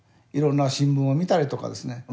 いろんな新聞を見たりとかですね